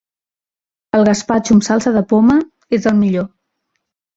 El gaspatxo amb salsa de poma és el millor.